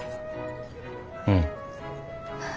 うん。